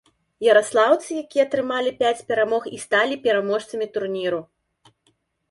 Яраслаўцы, якія атрымалі пяць перамог, і сталі пераможцамі турніру.